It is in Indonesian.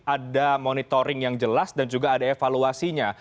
ada monitoring yang jelas dan juga ada evaluasinya